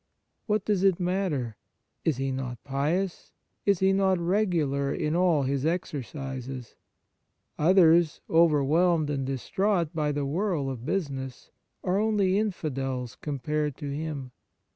What does it matter ? Is he not pious ? Is he not regular in all his exercises ? Others, overwhelmed and distraught by the whirl of business, are only infidels compared to him.